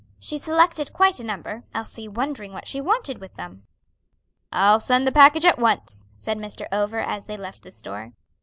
She selected quite a number, Elsie wondering what she wanted with them. "I'll send the package at once," said Mr. Over, as they left the store.